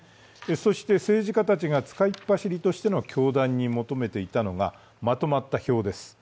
そして政治家たちが使いっぱしりとしての教団に求めていたのはまとまった票です。